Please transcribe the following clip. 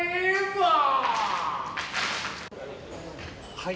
はい。